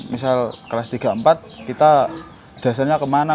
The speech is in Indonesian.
misal kelas tiga empat kita dasarnya kemana